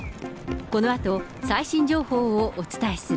このあと、最新情報をお伝えする。